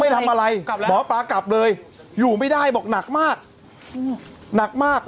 ทำอะไรหมอปลากลับเลยอยู่ไม่ได้บอกหนักมากหนักมาก